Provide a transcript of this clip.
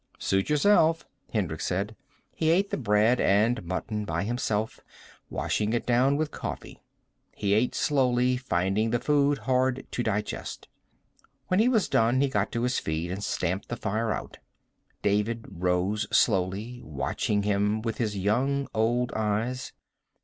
"Suit yourself," Hendricks said. He ate the bread and mutton by himself, washing it down with coffee. He ate slowly, finding the food hard to digest. When he was done he got to his feet and stamped the fire out. David rose slowly, watching him with his young old eyes.